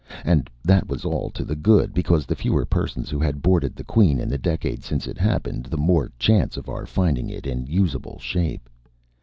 And that was all to the good, because the fewer persons who had boarded the Queen in the decade since it happened, the more chance of our finding it in usable shape.